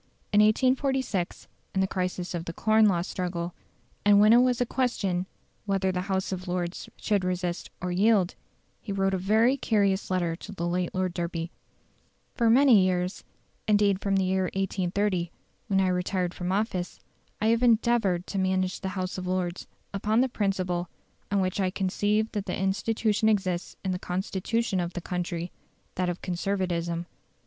In 1846, in the crisis of the Corn Law struggle, and when it was a question whether the House of Lords should resist or yield, he wrote a very curious letter to the late Lord Derby: "For many years, indeed from the year 1830, when I retired from office, I have endeavoured to manage the House of Lords upon the principle on which I conceive that the institution exists in the Constitution of the country, that of Conservatism.